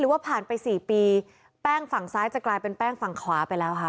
ว่าผ่านไปสี่ปีแป้งฝั่งซ้ายจะกลายเป็นแป้งฝั่งขวาไปแล้วค่ะ